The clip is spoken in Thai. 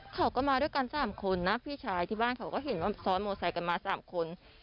เขาก็มาด้วยกัน๓คนนะพี่ชายที่บ้านเขาก็เห็นว่าซ้อนมอไซค์กันมา๓คน